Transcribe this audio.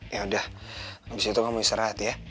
yaudah abis itu kamu istirahat ya